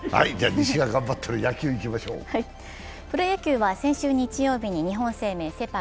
プロ野球は先週日曜日に日本生命セ・パ